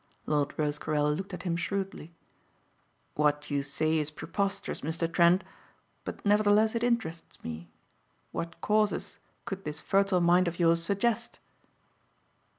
Lord Rosecarrel looked at him shrewdly. "What you say is preposterous, Mr. Trent, but nevertheless it interests me. What causes could this fertile mind of yours suggest?"